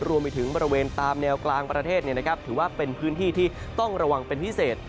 รวมไปถึงบริเวณตามแนวกลางประเทศถือว่าเป็นพื้นที่ที่ต้องระวังเป็นพิเศษ